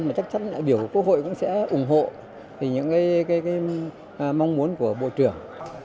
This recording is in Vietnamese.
và chắc chắn đại biểu quốc hội cũng sẽ ủng hộ những cái mong muốn của bộ trưởng